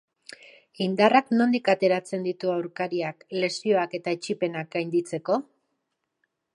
Indarrak nondik ateratzen ditu aurkariak, lesioak eta etsipenak gainditzeko?